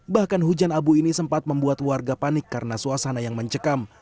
bahkan hujan abu ini sempat membuat warga panik karena suasana yang mencekam